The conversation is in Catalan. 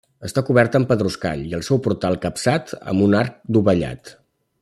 Està coberta amb pedruscall i el seu portal capçat amb un arc dovellat.